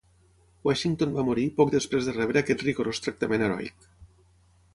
Washington va morir poc després de rebre aquest rigorós tractament heroic.